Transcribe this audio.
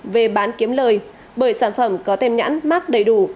về bán kiếm lời bởi sản phẩm có thêm nhãn mắc đầy đủ